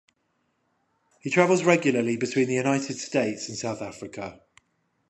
He travels regularly between the United States and South Africa.